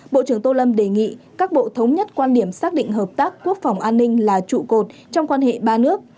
bộ trưởng tô lâm đề nghị các bộ thống nhất quan điểm xác định hợp tác quốc phòng an ninh là trụ cột trong quan hệ ba nước